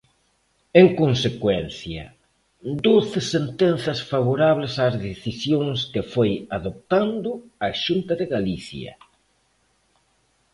En consecuencia, doce sentenzas favorables ás decisións que foi adoptando a Xunta de Galicia.